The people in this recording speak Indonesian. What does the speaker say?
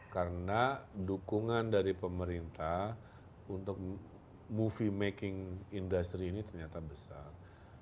karena dukungan dari pemerintah untuk movie making industry ini ternyata besar